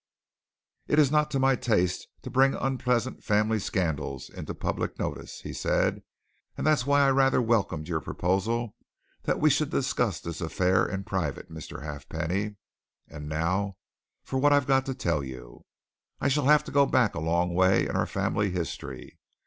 "It's not to my taste to bring unpleasant family scandals into public notice," he said, "and that's why I rather welcomed your proposal that we should discuss this affair in private, Mr. Halfpenny. And now for what I've got to tell you. I shall have to go back a long way in our family history.